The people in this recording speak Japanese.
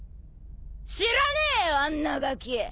知らねえよあんなガキ！